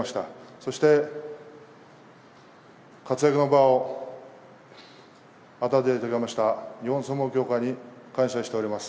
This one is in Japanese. そして、活躍の場を与えていただきました日本相撲協会に感謝しております。